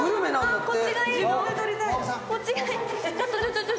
こっちがいい？